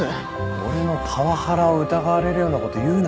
俺のパワハラを疑われるようなこと言うな。